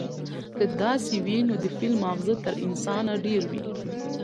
که داسې وي، نو د فيل ماغزه تر انسانه ډېر وي،